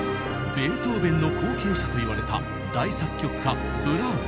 ベートーベンの後継者といわれた大作曲家ブラームス。